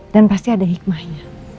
dan pasti ada hikmahnya